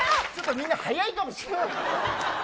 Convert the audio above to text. みんな速いかもしれない。